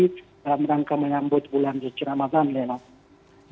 jadi dalam rangka menyambut bulan suci ramadan renov